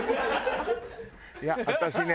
いや私ね。